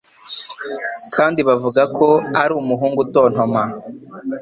kandi bavugako ari umuhungu utontoma.